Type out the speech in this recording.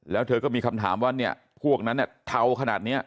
แล้วเธอก็มีคำถามว่าเนี่ยพวกนั้นเทาขนาดนี้